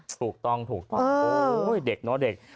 ถูกต้องโหเด็กเนอะเด็ก